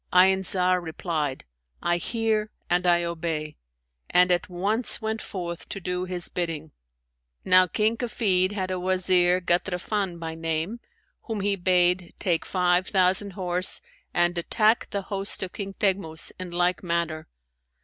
Ayn Zar replied, 'I hear and I obey,' and at once went forth to do his bidding. Now King Kafid had a Wazir, Ghatrafαn[FN#554] by name, whom he bade take five thousand horse and attack the host of King Teghmus in like manner.